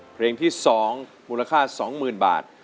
เพลงที่๒มูลค่า๒๐๐๐บาท